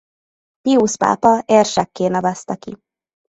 Piusz pápa érsekké nevezte ki.